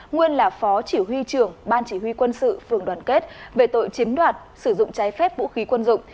nguyên là phó chỉ huy trưởng ban chỉ huy quân sự phường đoàn kết về tội chiếm đoạt sử dụng trái phép vũ khí quân dụng